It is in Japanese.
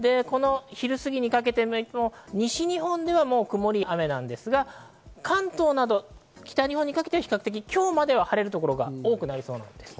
昼すぎにかけて西日本では曇りや雨なんですが、関東など北日本にかけては比較的今日までは晴れる所が多くなりそうです。